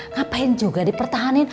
ngapain juga dipertahankan